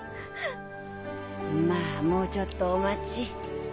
まぁもうちょっとお待ち。